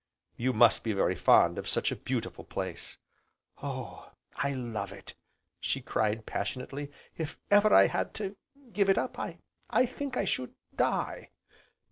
"You must be very fond of such a beautiful place." "Oh, I love it!" she cried passionately, "if ever I had to give it up, I think I should die!"